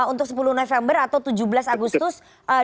untuk sepuluh november atau tujuh belas agustus